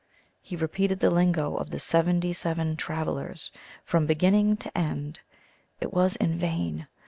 He repeated the lingo of the Seventy seven Travellers from beginning to end. It was in vain.